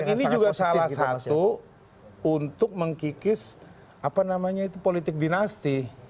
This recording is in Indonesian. nah dan ini juga salah satu untuk mengkikis apa namanya itu politik dinasti